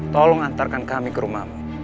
tolong antarkan kami ke rumahmu